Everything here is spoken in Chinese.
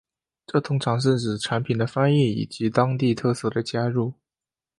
这通常是指产品的翻译以及当地特色的加入。